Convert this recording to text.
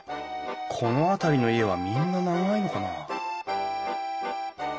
この辺りの家はみんな長いのかな？